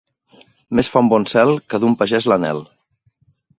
Més fa un bon cel que d'un pagès l'anhel.